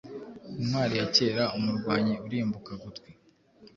Intwari ya kera-umurwanyi urimbuka gutwi